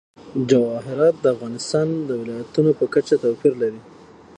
جواهرات د افغانستان د ولایاتو په کچه توپیر لري.